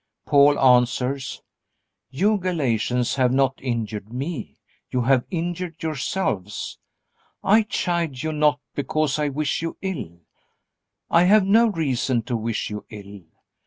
Paul answers: "You Galatians have not injured me. You have injured yourselves. I chide you not because I wish you ill. I have no reason to wish you ill.